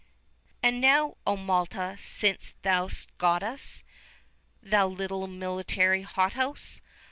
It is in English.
And now, O Malta! since thou'st got us, Thou little military hothouse!